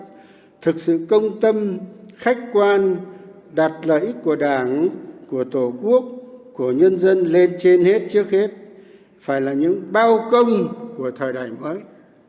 thực sự công tâm khách quan đặt lợi ích của đảng của tổ quốc của nhân dân lên trên hết trước hết phải là những bao công của thời đại mới